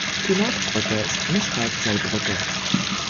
Die Nordbrücke ist eine Schrägseilbrücke.